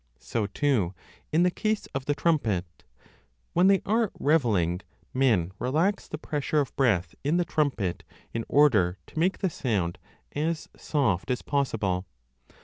So, too, in the case of the trumpet ; when they are revelling, 1 men 25 relax the pressure of breath in the trumpet in order to make the sound as soft as possible.